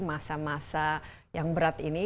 masa masa yang berat ini